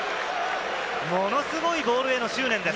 ものすごいゴールへの執念です。